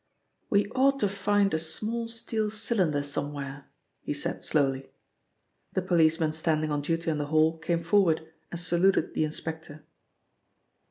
"We ought to find a small steel cylinder somewhere," he said slowly. The policeman standing on duty in the hall came forward and saluted the inspector.